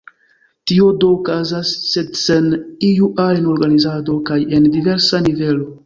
Tio do okazas, sed sen iu ajn organizado kaj en diversa nivelo.